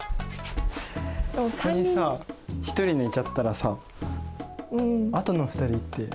ここにさ１人寝ちゃったらさあとの２人って。